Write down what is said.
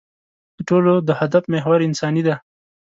د ټولو د هدف محور انساني دی.